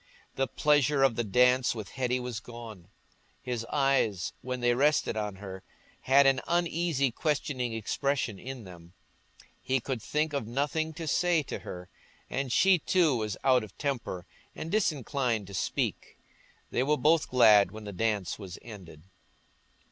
The pleasure of the dance with Hetty was gone; his eyes, when they rested on her, had an uneasy questioning expression in them; he could think of nothing to say to her; and she too was out of temper and disinclined to speak. They were both glad when the dance was ended.